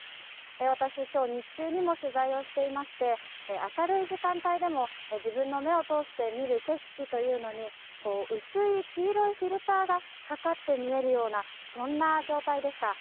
私、今日日中にも取材をしていまして明るい時間帯でも自分の目を通して見る景色というのに薄い黄色いフィルターがかかって見えるようなそんな状態でした。